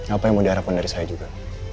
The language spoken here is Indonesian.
apa yang mau diharapkan dari saya juga